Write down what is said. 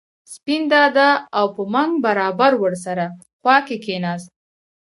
سپین دادا او په منګ برابر ور سره خوا کې کېناست.